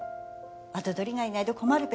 跡取りがいないと困るべ？